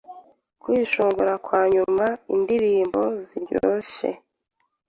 kwishongora kwanyuma indirimbo ziryoshe